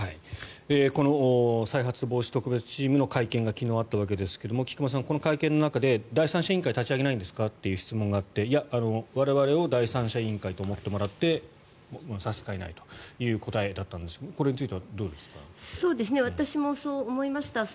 この再発防止特別チームの会見が昨日あったわけですが菊間さん、この会見の中で第三者委員会を立ち上げないんですかという質問があっていや、我々を第三者委員会と思ってもらって差し支えないという答えだったんですが私もそう思いました。